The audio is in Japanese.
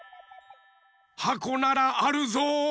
はこならあるぞ。